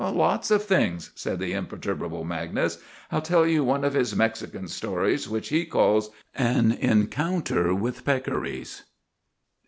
"Lots of things," said the imperturbable Magnus. "I'll tell you one of his Mexican stories, which he calls— 'AN ENCOUNTER WITH PECCARIES.